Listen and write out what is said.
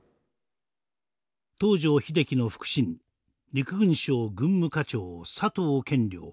東条英機の腹心陸軍省軍務課長佐藤賢了。